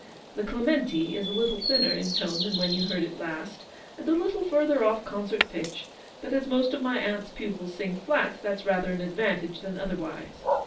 The Cleraenti is a little thinner in tone than when you heard it last, and a little further off concert pitch ; but as most of my aunt's pupils sing flat, that's rather an advantage than otherwise.